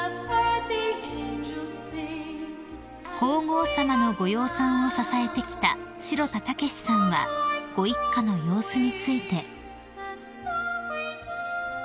［皇后さまのご養蚕を支えてきた代田丈志さんはご一家の様子について］